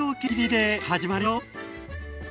始まるよ！